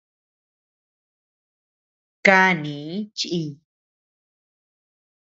Kani chiy.